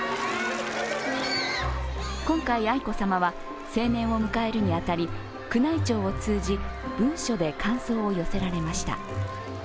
今回、愛子さまは成年を迎えるに当たり宮内庁を通じ、文書で感想を寄せられました。